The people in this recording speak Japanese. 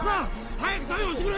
早く逮捕してくれ！